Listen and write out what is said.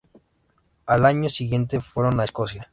Al año siguiente fueron a Escocia.